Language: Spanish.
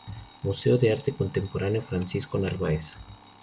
Museo de Arte Contemporáneo Francisco Narváez.